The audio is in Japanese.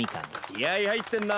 気合い入ってんな。